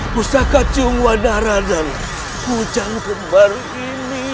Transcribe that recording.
pusaka cingguanara dan kujangkembar ini